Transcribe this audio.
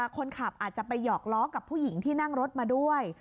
คนขับอาจจะไปหอกล้อกับผู้หญิงที่นั่งรถมาด้วย